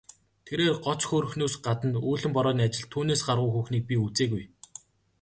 Тэрээр гоц хөөрхнөөс гадна үүлэн борооны ажилд түүнээс гаргуу хүүхнийг би үзээгүй.